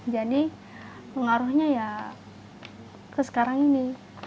jadi pengaruhnya ya ke sekarang ini